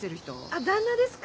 あっ旦那ですか？